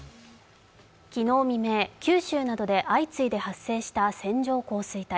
昨日未明、九州などで相次いで発生した線状降水帯。